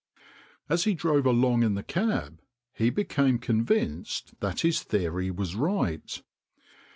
As he drove along in the cab he became convinced that this theory was right.